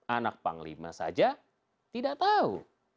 anak panglima saja tidak tahu